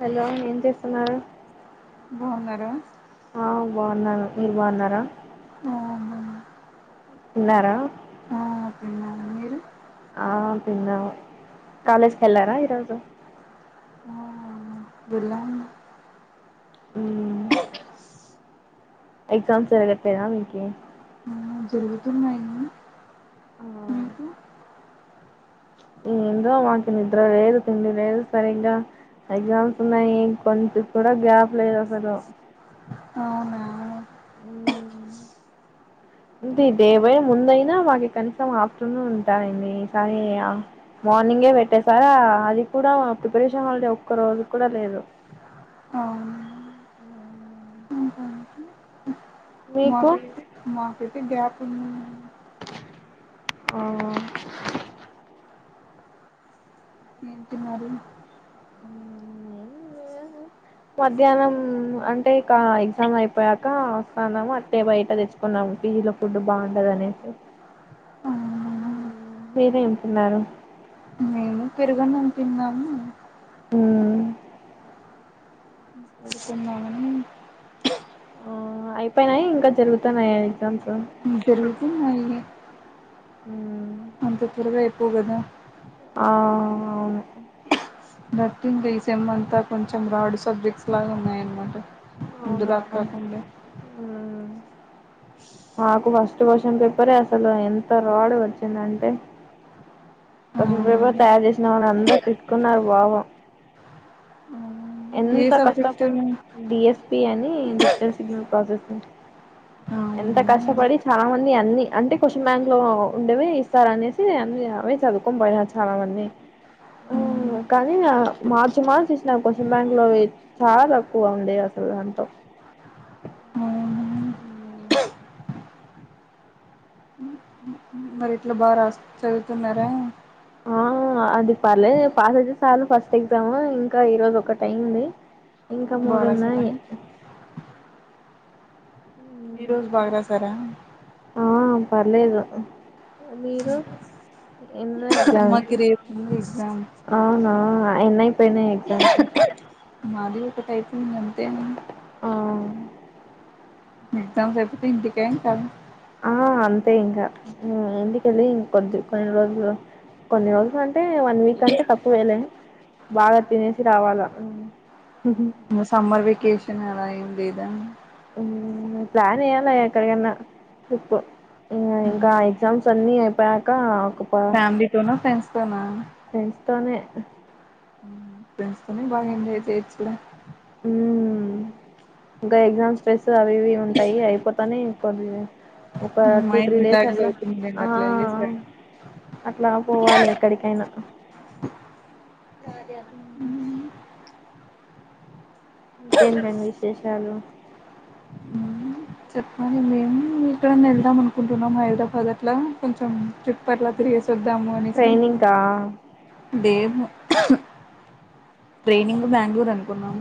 Hello ఏం చేస్తున్నారు బావున్నార ఆ బావున్నారు మీరు బాన్నారా ఆ బాగున్నా తిన్నారా ఆ తిన్నాను మీరు ఆ తిన్నాము కాలేజ్ కెళ్ళారా ఈ రోజు వెళ్ళాలి హ్మ్ ఎగ్జామ్స్ జరగట్లేదా మీకి ఆ జరుగుతున్నాయి ఆ మీకు ఏంటో మాకు నిద్ర లేదు తిండి లేదు సరిగ్గా ఎగ్జామ్స్ ఉన్నాయి కొంచం కూడా గ్యాప్ లేదు అసలు అవునా మ్ దేవై ముందయినా మాకి కనీసం ఆఫ్టర్నూన్ ఉంటారండి ఈసారి మార్నింగే పెట్టేసారా అది కూడా ప్రిపరేషన్ హాలిడే ఒక్క రోజు కూడా లేదు అవును ఇంకేంటి మీకు మాకైతే మాకైతే గ్యాప్ ప [inaudible] ఆ నాది మధ్యాహ్నం అంటే ఇక ఎగ్జామ్ అయిపోయాక వస్తాన్నాము అట్టే బయట తెచ్చుకున్నాము పీజీలో ఫుడ్ బాగుండదనేసి అవునా? మీరేం తిన్నారు పెరుగు అన్నం తిన్నాము మ్ పడుకున్నామని ఆ అయిపోయినాయి ఇంకా జరుగుతన్నాయ ఎగ్జామ్స్ జరుగుతున్నాయి మ్ అంత త్వరగా అయిపోవు కదా ఆ అవును దర్టి ఇంకా ఈ సెమ్ అంతా కొంచెం రాడ్ సబ్జెక్ట్స్ లాగా ఉన్నాయన్నమాట అవునా ముందులాగ కాకుండ మ్మ్ మాకు ఫస్ట్ క్వశ్చన్ పేపరే అసలు ఎంత రాడ్గా వచ్చిందంటే క్వశ్చన్ అవునా పేపర్ తయారు చేసినా వాల్లని అందరూ తిట్టుకున్నారు బాగా ఏ ఎంత సబ్జెక్ట్ అవునా కష్టపడి డి ఎస్ పి అని ది డిజిటల్ సిగ్నల్ ప్రాసెస్ ఎంత కష్టపడి చాలా మంది అన్ని అంటే క్వశ్చన్ బ్యాంక్ లో ఉండేవి ఇస్తారు అనేసి అన్ని అవే చదువుకొని పోయినారు చాలా మంది ఆ హ్మ్. కానీ మార్చి మార్చి ఇచ్చినారు క్వశ్చన్ బ్యాంక్ లోవి చాలా తక్కువ ఉండేవి అసలు దాంతో అవునా? మ్ మరి ఇట్ల బాగా రాసు చదువుతున్నారా ఆ అది పర్లేదులే పాస్ అయితే చాలు ఫస్ట్ ఎగ్జామ్ ఇంకా ఈరోజు ఒకటైంది బారసావ ఈ రోజు బాగా రాసారా ఆ పర్లేదు మీరు మాకి రేపు ఉంది ఎగ్జామ్ అవునా ఎనైపునాయ్ ఎగ్జామ్సు మాది ఒకటైప్ మ్ అంతే ఆ ఎగ్జామ్స్ అయిపోతే ఇంటికే ఇంకా ఆ అంతే ఇంకా ఇంటికెళ్ళి ఇం కొద్ది కొన్ని రోజులు కొన్ని రోజులు అంటే వన్ వీక్ కంటే తక్కువేలే బాగా తినేసి రావాలా సమ్మర్ వెకేషన్ అలా ఏం లేదా ప్లాన్ ఎయ్యాల ఎక్కడికన్నా ట్రిప్ ఇంకా ఎగ్జామ్స్ అన్ని అయిపోయాక ఒక ప ఫ్యామిలీ తోనా ఫ్రెండ్స్ తోనా ఫ్రెండ్స్ తోనే ఫ్రెడ్స్ తోనే బాగా మ్ ఎంజాయ్ చేయచ్చు ఇ ఇంకా ఎగ్జామ్ స్ట్రెస్ అవివి ఉంటాయి అయిపోతానే కొద్ది ఒక హ్మ్. Two three mind days relax అట్లా అవుతుంది లెండి ఆ అట్లా వెళ్ళేసి రండి అట్లా పోవాలి ఎక్కడికియినా ఇంకేదిమ్మయి విశేషాలు అద మేము ఇక్కడ వెళ్దాం అనుకుంటున్నాం హైదరాబాద్ అట్లా కొంచెం చుప్పర్లా తిరిగిేస్తాం ట్రెైనింగ్ కా దేవ్ ట్రైనింగ్ బెంగళూరు అనుకున్నాం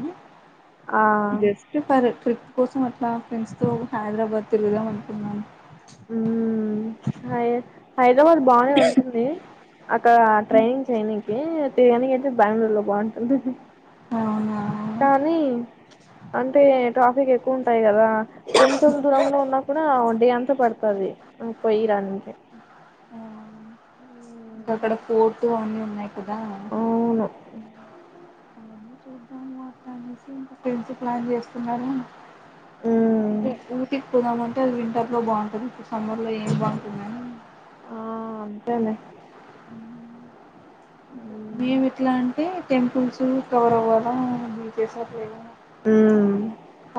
ఆ జస్ట్ పరత్ ట్రిప్ కోసం అట్లా ఫ్రెండ్స్తో హైదరాబాద్ తిరుగుదాం అనుకున్నాను ఉమ్ హై హైదరాబాద్ బానే ఉంటుంది అక్కడ ట్రైనింగ్ చేయనికి తయడానికి అయితే బెంగళూరు లో బాగుంటుంది అవునా కానీ అంటే ట్రాఫిక్ ఎక్కువ ఉంటాయి కదా కొంచెం దూరంలో ఉన్నా కూడా డే అంతా పడుతుది పోయరానికి ఇంకా అక్కడ పోర్టు అన్నీ ఉన్నాయి కదా. ఔను ఫ్రెన్సు ప్లాన్ జేస్తున్నారు ఉమ్ అంటే ఊటికి పోదామ అంటే అది వింటార్. లో బాఉంటది అన్పిస్ సమ్మర్ లో ఏది బావుంటుంది అని ఇంట్లోనే మేమిట్లా అంటే టెంపుల్సూ కవర్ అవ్వాలా బీకేసాట్లేవైనా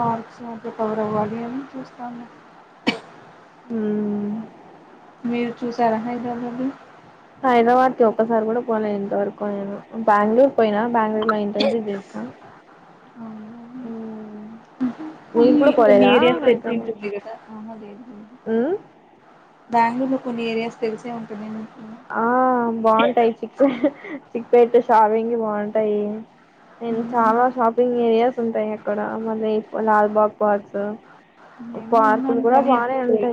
అచ్చ రికవర్ అవ్వాలీ అని చూస్తాదే హుమ్ మీరు చూసారా హైద్రాబాదు హైదరాబాద్ కి ఒక్కసారి కూడా పోలే ఎంతవరకు నేను బెంగళూర్ పోయినా బంగళూరు లో ఇంటర్న్షిప్ చేసినా ఊమ్ ఇప్పుడ్ మీరే తెచ్చుంటుంది కదా అహా లేదు లేదు ఉమ్ బ్యాంగ్లూర్ లో కొన్ని ఏరియాస్ తెలిసే ఉంటాది. ఆ బాగుంటాయి చిక్కు చిక్ పెట్టు షాపింగ్ కి బాగుంటాయి నేను మ్మ్. చాలా షాపింగ్ ఏరియాస్. ఉంటాయ్ అక్కడా మల్లీ లాల్బాగ్ పాక్స్ పార్క్ కాని కానీ అప్పు పోయ్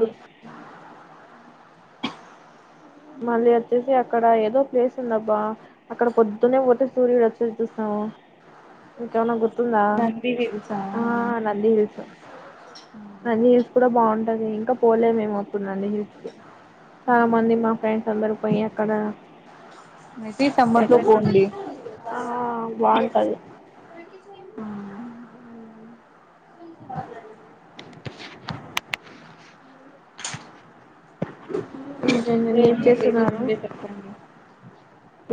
మళ్ళీ వచ్చేసి అక్కడ ఏదో ప్లేస్ ఉందబ్బా అక్కడ పొద్దునే పోతే సూర్యుడు వచ్చేది చూస్తాము ఇంకేమనా గుర్ తుందా నంది హిల్స్ ఆ నంది హిల్సు అదీ ఇప్పుడే బావుంటదీ ఇంకా పోలేమేం అప్పుడ్ నందీ హిల్స్ కీ చాలా మంది మా ఫ్రెండ్స్ అందరు పోయి ఎక్కడ మెసీ సమ్బర్ లో పోన్లే బావుంటది ఈ ఇంకా జంజనియం ఏం ఏమన్నా ప్లేసెస్ చేస్తున్నారు ఉంటే చెప్పండి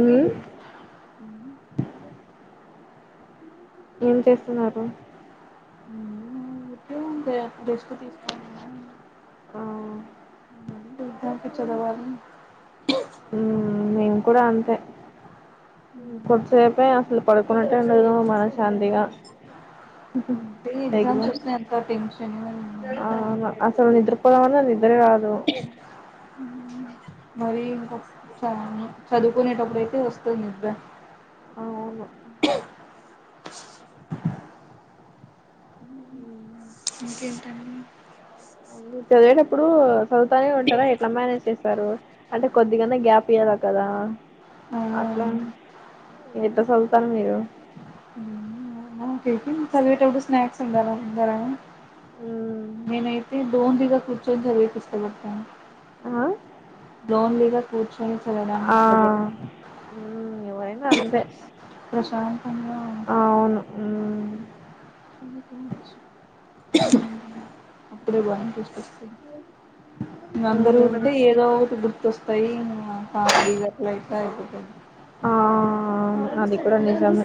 ఊ హ్ ఏం చేస్తున్నారూ ఊకే అంటే రెస్ట్ తీసుకున్నా ఆ ఆ బ్యాంకి చదవాలి ఊఁ మేం కూడా అంతే కొద్సేపే అసలు పడుకున్నట్టే ఉండదు మనశాన్తిగా ఎక్సామ్స్ వస్తయ్ అక్కా టెన్షను అంతా పోదామన్న నిద్రేరదు మరీ ఇంకొచ్చం చదువుకునేటప్పుడైతే వస్తుంది నిద్ర అవును. ఇంకేంటండీ మీర్ చదివేటప్పుడూ సదువుతానే ఉంటార ఎట్లా మ్యానేజ్ చేస్తారు అంటే కొద్దిగన్నా గ్యాప్ ఇయ్యాల కదా ఆ అట్లా ఎట్లా సదువుతార్ మీరూ కలివేటప్పుడు మ్యాక్స్ ఉండరా ముందరా మ్మ్. మేమైతే డోన్ దిగ వచ్చ జర పుస్త పెడతాను. ఆ దోన్ మీద కూచ్ సరే సరడానికి ఇష్టపడతారు. ఊ ఎవరైనా అంతే ప్రశాంతంగా అవును పని కావచ్చు దివాంటిస్తూ ఇంగ అందరూ మ్మ్ ఉంటే ఏదో ఒకటి గుర్తొస్తయ్ బడిజట్లాకాయ ఆ అవి కూడా నిజమే.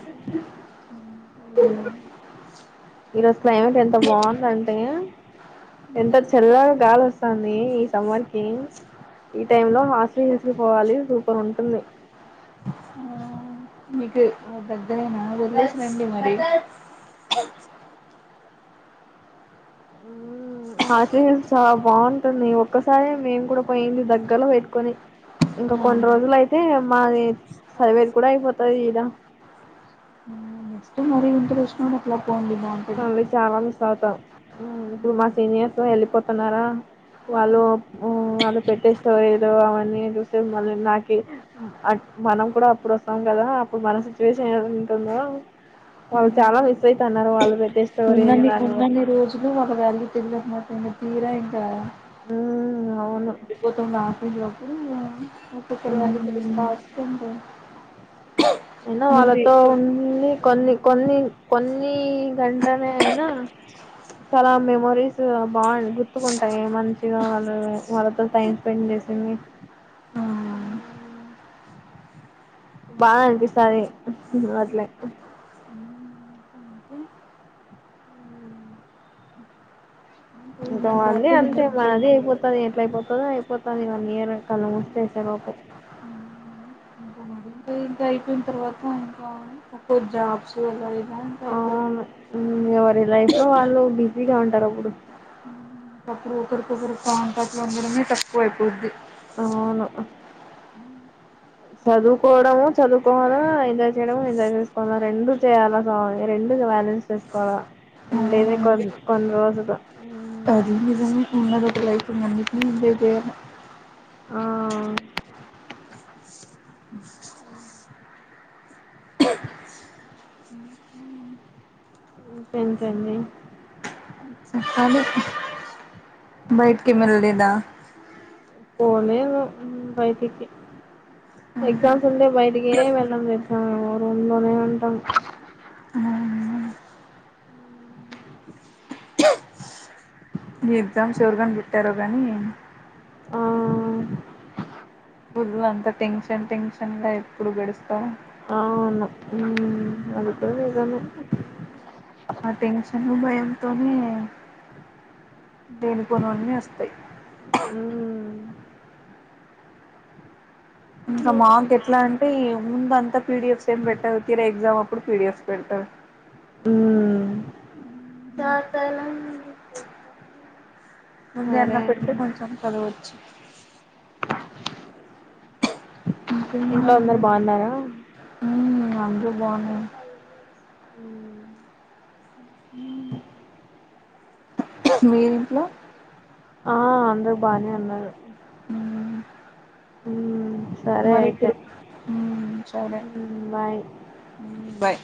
ఈరోజ్ క్లయ్మేట్ ఎంత బాగుందంటే ఎంత చల్లగా గాలోస్తాందీ ఈ సమ్మర్ కీ ఈ టైం లో హాస్లు హిల్స్ కి పోవాలి సూపర్ ఉంటుంది ఆ మీకు దగ్గరేనా వదిలేసి రండి మరీ హాస్ హిల్స్ చాలా బాగుంటుంది ఒక్కసారి మేము కూడా పోయింది దగ్గలో పెట్టుకొని ఇంకా ఆ కొన్ని రోజులు అయితే మాది సదివే కూడా అయిపోతది ఈడ నెక్స్ట్ మరి ఇంటికి వచ్చినప్పుడు అట్లా పోండి బాగుంటది మళ్ళీ చాలా మిస్ అవ్తాం ఇప్పుడు మా సీనియర్స్ యెళ్ళిపోతున్నారా వాళ్ళు ఊఁ వాళ్ళు పెట్టే స్టోరీలు అవన్నీ చూస్తే మళ్ళీ నాకి మనం కూడా అప్పుడొస్తాం కదా అప్పుడు మన సిచ్యువేషన్ ఏం ఉంటుందో వాళ్ళు చాలా మిస్ అయ్ తన్నారు వాళ్ళు పెట్టే స్టోరీని ఉన్నని దాన్ని బట్టి ఉన్నని రోజులు ఆళ్ల వాల్యూ తేలదు ఎం తీరా ఇంకా ఆ ఊ ఔను ఎపోతు నాఫప్పు ఒకక్కరు వెళ తెలుస్తా ఉమ్, వస్తుంది అయినా ముందే వాళ్ళతో ఉన్ని కొన్ని కొన్ని కొన్ని గంటనే అయినా చాలా మెమరీస్ బాగు గుర్తుకుంటాయి మంచిగా వాళ్ళ వాళ్ళతో టైం స్పెండ్ చేసింది ఆ బాగా అనిపిస్తాది అట్లే. ఇంకా ఇంకా అ ఇంకా బావుంది బాగుంటది అంతే మాదీ అయిపోతాదేం మంచిగా. ఎట్ల అయిపోతదో అయిపోతాది వన్ ఇయర్ కళ్లు మూసి తెరిసే లోపు ఇ అయిపోయిన తర్వాత ఇంకా ఒక్కో జాబ్స్ అలా ఇలా ఇంకా ఆ అయిపోతాయి ఊ ఎవరి లైఫ్ లో వాల్లూ బిజీగా ఉంటరప్పుడూ ఒక ఒకరికొ ఒకరు కాంటాట్లు ఉండడమే తక్కువ అయిపోతుద్ది అవును చదువుకోవడము చదువుకోవాల ఎంజాయ్ చేయడము ఎంజాయ్ చేసుకోవాలా రెండు చేయాల సా రెండు బ్యాలెన్స్ చేసుకోవాలా ఉండేదె కొ కొన్ని రోజులు అది మీ ఉన్నలో ఒక లఫ అదే ఆ ఇకంక అడి బైఠక మల్లేదా పోలేదు బయటికి ఎగ్జామ్స్ ఉంటే బయటికే వెళ్ళం ఎగ్జామ్ రూమ్ లోనే ఉంటాం ఈ ఎగ్జామ్స్ ఎవరు పెట్టారో గానీ ఆ స్లు అంత టెన్షన్ టెన్షన్ గా ఎప్పుడు గడుస్తారు ఆవునా అదిక ఇదన్న ఆ టెన్షన్ భయంంతోనే దేను కొనవన్ని వస్తాయి ఉవు ఇంకా మాకు ఎట్లా అంటే ముందంతా పీడిఎఫ్ ఏం పెట్టారుర ఎగజామ్ అప్పుడు పీడిఎఫ పెట్టారు ఊమ్ పాతనం ఉంది అన్న సరే పెడితే కొంచెం చదవచ్చు ఇంకేం ఇంట్లో అందరు బాగున్నారా నందు బోని హ కశ మీీరి ఇంట్లో ఆ అందరు బానే ఉన్నారు హమ్ మరిడు చరే మ్మ్ బాయ్ బై